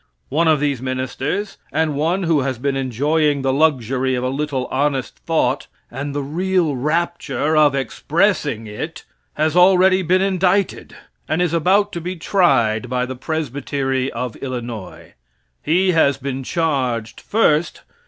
One of these ministers, and one who has been enjoying the luxury of a little honest thought, and the real rapture of expressing it, has already been indicted, and is about to be tried by the Presbytery of Illinois. He has been charged: First.